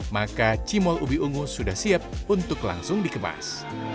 maka cimol ubi ungu sudah siap untuk langsung dikemas